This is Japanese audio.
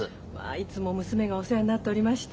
いつも娘がお世話になっておりまして。